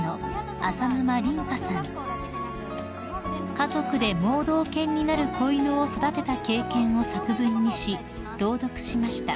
［家族で盲導犬になる子犬を育てた経験を作文にし朗読しました］